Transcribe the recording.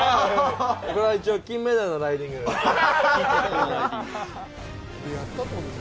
これは金メダルのライディングです。